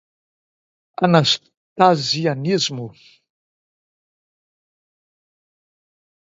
Anastasianismo